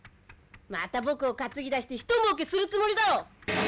「また僕を担ぎ出してひともうけするつもりだろ」